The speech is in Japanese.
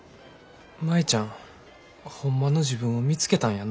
舞ちゃんホンマの自分を見つけたんやな。